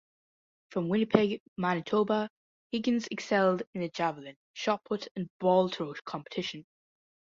From Winnipeg, Manitoba, Higgins excelled in the javelin, shot put, and ball throw competition.